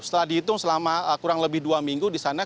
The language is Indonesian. setelah dihitung selama kurang lebih dua minggu di sana